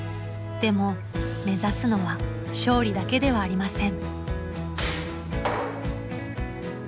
でも目指すのは勝利だけではありません。